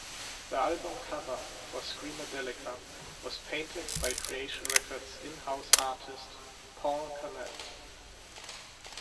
The album cover for "Screamadelica" was painted by Creation Records' in-house artist Paul Cannell.